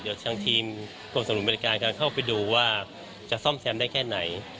เดี๋ยวทางทีมกรมสนุนบริการก็เข้าไปดูว่าจะซ่อมแซมได้แค่ไหน